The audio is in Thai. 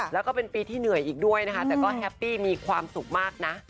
แล้วก็เป็นปีที่เหนื่อยอีกด้วยนะคะแต่ก็แฮปปี้มีความสุขมากนะ